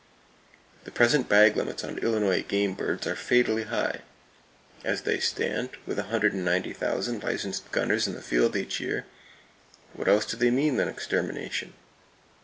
The present bag limits on Illinois game birds are fatally high. As they stand, with 190,000 licensed gunners in the field each year, what else do they mean than extermination?